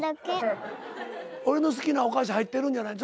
俺の好きなお菓子入ってるんじゃない？